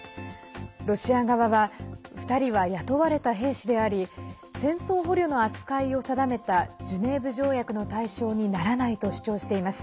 ロシア側は２人は雇われた兵士であり戦争捕虜の扱いを定めたジュネーブ条約の対象にならないと主張しています。